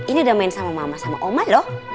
ini udah main sama mama sama oma loh